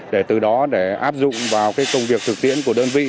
để từ đó để áp dụng vào công việc thực tiễn của đơn vị